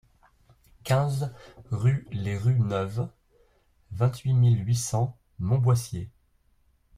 quinze rue Les Rues Neuves, vingt-huit mille huit cents Montboissier